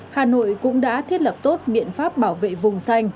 hà nội cũng đã thiết lập tốt biện pháp bảo vệ vùng xanh